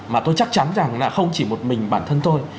mà tôi chắc chắn rằng là không chỉ một mình bản thân tôi